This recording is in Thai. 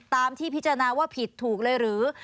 ตามที่พิจารณาว่าผิดถูกเลยหรือ